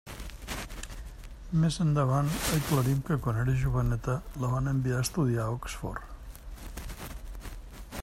Més endavant aclarim que quan era joveneta la van enviar a estudiar a Oxford.